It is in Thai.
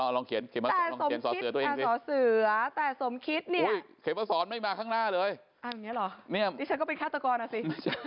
อ่าลองเขียนฉันก็มีสอเสือตัวเองสิ